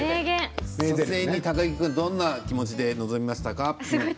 撮影にどんな気持ちで臨みましたか？